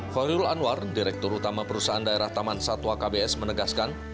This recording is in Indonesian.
horiul anwar direktur utama perusahaan daerah taman satwa kbs menegaskan